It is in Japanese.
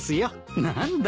何だ。